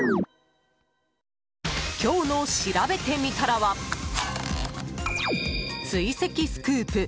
今日のしらべてみたらは追跡スクープ！